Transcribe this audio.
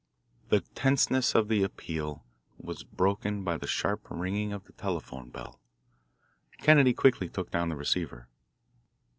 The tenseness of the appeal was broken by the sharp ringing of the telephone bell. Kennedy quickly took down the receiver.